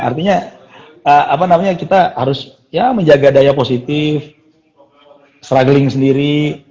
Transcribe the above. artinya kita harus menjaga daya positif struggling sendiri